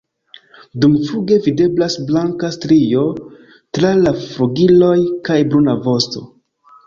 Dumfluge videblas blanka strio tra la flugiloj kaj bruna vosto.